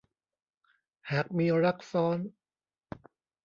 หากมีรักซ้อน